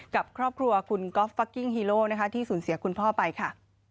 กับครอบครัวคุณก๊อฟฟักกิ้งฮีโร่นะคะที่สูญเสียคุณพ่อไปค่ะ